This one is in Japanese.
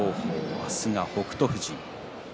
明日は北勝富士。